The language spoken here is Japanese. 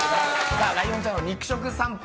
ライオンちゃんの肉食さんぽ。